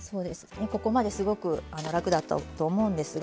ここまですごく楽だったと思うんですが。